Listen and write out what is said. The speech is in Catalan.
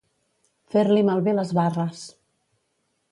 Fer-li malbé les barres.